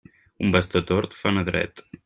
Un bastó tort fa anar dret.